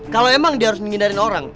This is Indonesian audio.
kalau emang dia harus menghindarin orang